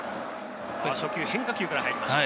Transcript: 初球、変化球から入りました。